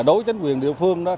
đối với chính quyền địa phương